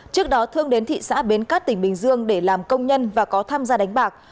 trước đó thương đến thị xã bến cát tỉnh bình dương để làm công nhân và có tham gia đánh bạc